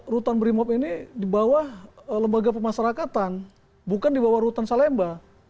rutan brimop ini dibawah lembaga pemasarakatan bukan dibawah rutan salemba